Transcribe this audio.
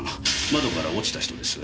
窓から落ちた人です。